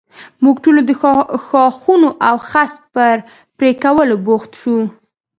موږ ټول د ښاخونو او خس پر پرې کولو بوخت شو.